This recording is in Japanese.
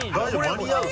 間に合う？